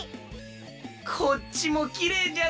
こっちもきれいじゃの。